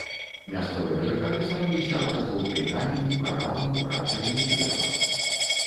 Мясцовыя жыхары славіліся апрацоўкай каменю, каралаў, ракавін і дрэва.